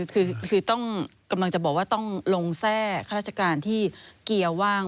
คือต้องกำลังจะบอกว่าต้องลงแทร่ข้าราชการที่เกียร์ว่าง